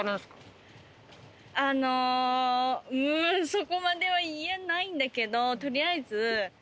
そこまでは言えないんだけど取りあえず。